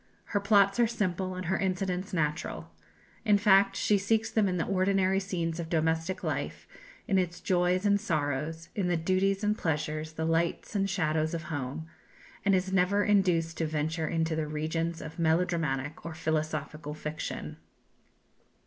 Her plots are simple, and her incidents natural. In fact she seeks them in the ordinary scenes of domestic life, in its joys and sorrows, in the duties and pleasures, the lights and shadows of home and is never induced to venture into the regions of melodramatic or philosophical fiction.